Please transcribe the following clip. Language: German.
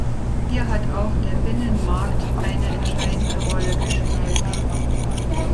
Hier hat auch der Binnenmarkt eine entscheidende Rolle gespielt.